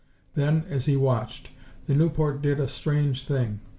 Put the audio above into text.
Then, as he watched, the Nieuport did a strange thing.